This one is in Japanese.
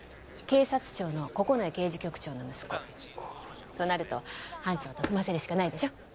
警察庁の九重刑事局長の息子となると班長と組ませるしかないでしょ